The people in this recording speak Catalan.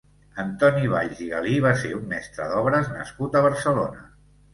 Antoni Valls i Galí va ser un mestre d'obres nascut a Barcelona.